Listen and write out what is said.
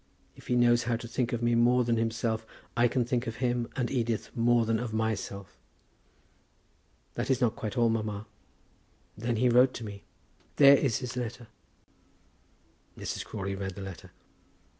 If he knows how to think of me more than himself, I can think of him and Edith more than of myself. That is not quite all, mamma. Then he wrote to me. There is his letter." Mrs. Crawley read the letter.